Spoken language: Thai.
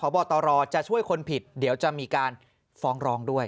บอตรจะช่วยคนผิดเดี๋ยวจะมีการฟ้องร้องด้วย